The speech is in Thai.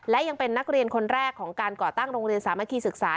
และยังเป็นนักเรียนคนแรกของการก่อตั้งโรงเรียนสามัคคีศึกษา